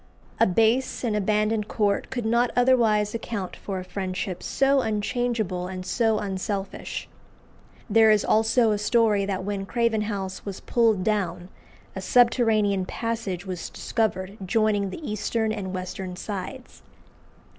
A base and abandoned court could not otherwise account for a friendship so unchangeable and so unselfish. There is also a story that when Craven House was pulled down, a subterranean passage was discovered joining the eastern and western sides.